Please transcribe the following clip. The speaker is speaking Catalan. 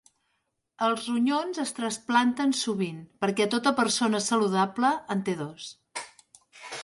Els ronyons es trasplanten sovint, perquè tota persona saludable en té dos.